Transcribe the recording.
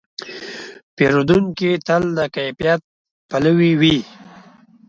پیرودونکی تل د کیفیت پلوي وي.